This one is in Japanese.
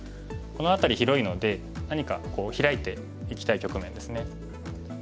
この辺り広いので何かヒラいていきたい局面ですね。